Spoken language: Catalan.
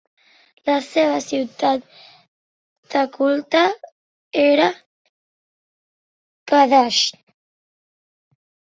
La seva ciutat de culte era Qadesh.